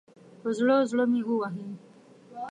پر زړه، زړه مې ووهئ